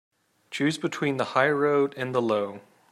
Choose between the high road and the low.